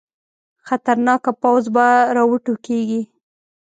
خطرناکه پوځ به راوټوکېږي.